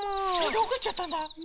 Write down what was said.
どこいっちゃったんだろ？